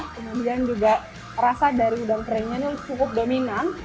kemudian juga rasa dari udang keringnya ini cukup dominan